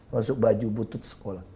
masuk baju butut sekolah